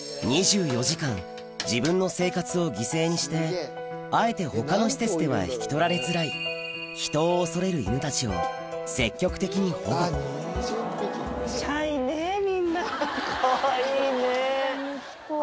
２４時間自分の生活を犠牲にしてあえて他の施設では引き取られづらい人を恐れる犬たちを積極的に保護みんなかわいいね。